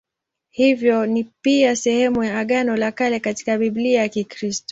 Hivyo ni pia sehemu ya Agano la Kale katika Biblia ya Kikristo.